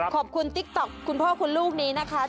ติ๊กต๊อกคุณพ่อคุณลูกนี้นะคะ